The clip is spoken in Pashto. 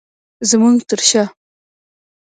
زمونږ تر شاه